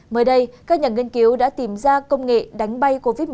mới đây các nhà nghiên cứu đã tìm ra công nghệ đánh bay covid một mươi chín